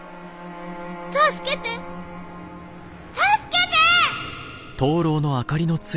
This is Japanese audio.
助けて助けて！